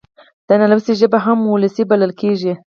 د نالوستي ژبه هم وولسي بلل کېږي.